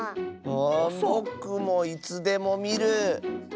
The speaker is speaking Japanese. あぼくもいつでもみる。